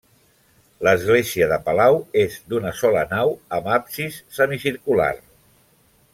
L'església de Palau és d'una sola nau amb absis semicircular.